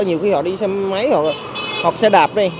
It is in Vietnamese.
nhiều khi họ đi xe máy hoặc xe đạp đây